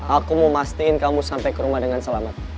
aku mau mastiin kamu sampai ke rumah dengan selamat